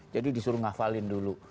jadi disuruh ngafalin dulu